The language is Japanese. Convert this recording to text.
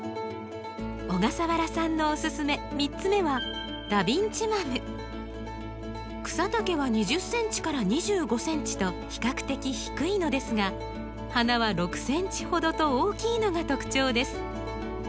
３つ目は草丈は２０ｃｍから２５ｃｍと比較的低いのですが花は６ｃｍほどと大きいのが特徴です。